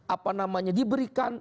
apa namanya diberikan